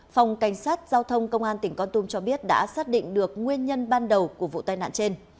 phòng cảnh sát giao thông công an tỉnh con tum cho biết đã xác định được nguyên nhân ban đầu của vụ tai nạn trên